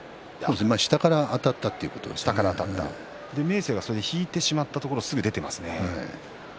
下からあたったという明生が引いてしまったところ、すぐ出ていますね。